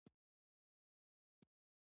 هغه له ځایه پورته شو او د کار په لور لاړ